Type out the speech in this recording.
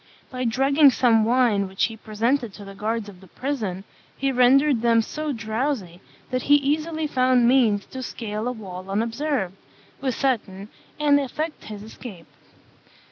By drugging some wine which he presented to the guards of the prison, he rendered them so drowsy that he easily found means to scale a wall unobserved, with Seton, and effect his escape.